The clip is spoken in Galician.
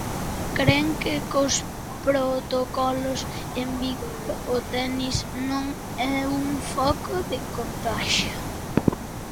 Cren que cos protocolos en vigor o tenis non é un foco de contaxio.